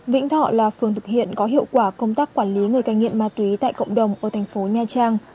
vĩnh thọ là phường thực hiện có hiệu quả công tác quản lý người cai nghiện ma túy tại cộng đồng ở thành phố nha trang